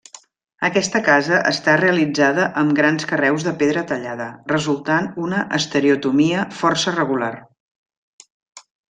Aquesta casa està realitzada amb grans carreus de pedra tallada, resultant una estereotomia força regular.